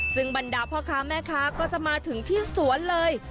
ซึ่งบรรดาพ่อค้าแม่ค้าก็จะมาถึงที่สวนเลย